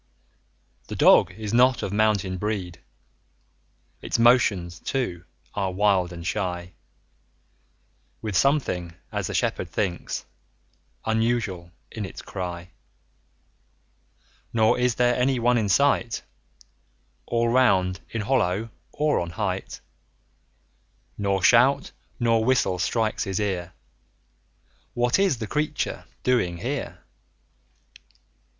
The Dog is not of mountain breed; Its motions, too, are wild and shy; 10 With something, as the Shepherd thinks, Unusual in its cry: Nor is there any one in sight All round, in hollow or on height; Nor shout, nor whistle strikes his ear; 15 What is the creature doing here?